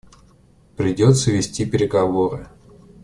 Придется вести переговоры.